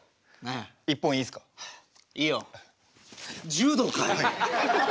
柔道かよ。